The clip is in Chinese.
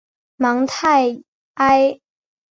芒泰埃。